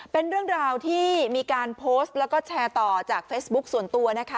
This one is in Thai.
เป็นเรื่องราวที่มีการโพสต์แล้วก็แชร์ต่อจากเฟซบุ๊คส่วนตัวนะคะ